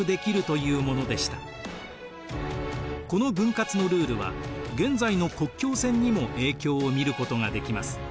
この分割のルールは現在の国境線にも影響を見ることができます。